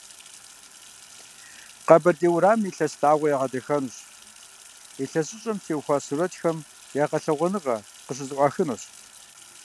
Къэбэрдей уэрамым и лъэс лъагъуэр ягъэдахэнущ, ИлъэсыщӀэм теухуа сурэтхэм я гъэлъэгъуэныгъэ къыщызэӀуахынущ.